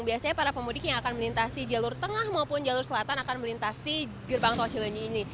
biasanya para pemudik yang akan melintasi jalur tengah maupun jalur selatan akan melintasi gerbang tol cilenyi ini